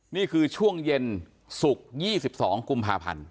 นี่คือช่วงเย็นศุกร์๒๒กุมภาพันธ์